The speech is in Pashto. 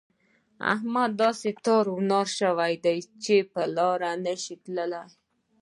احمد داسې تار و نار شوی دی چې پر لاره نه شي تلای.